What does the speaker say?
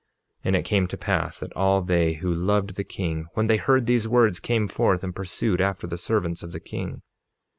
47:28 And it came to pass that all they who loved the king, when they heard these words, came forth and pursued after the servants of the king.